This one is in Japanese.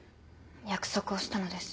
約束をしたのです。